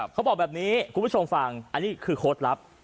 เขาบอกแบบนี้คุณผู้ชมฟังอันนี้คือโค้ดลับ